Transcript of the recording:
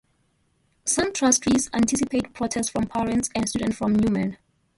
Some trustees anticipated protests from parents and students from Newman.